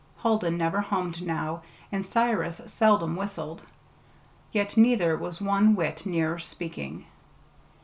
Huldah never hummed now, and Cyrus seldom whistled; yet neither was one whit nearer speaking.